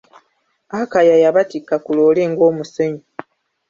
Akaya yabatikka ku loole ng'omusenyu.